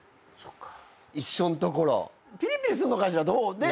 ピリピリすんのかしら？